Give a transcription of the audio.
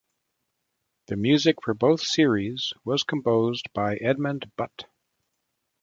The music for both series was composed by Edmund Butt.